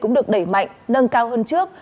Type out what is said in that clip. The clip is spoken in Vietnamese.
cũng được đẩy mạnh nâng cao hơn trước